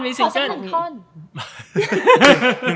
ขอแค่๑ท่อน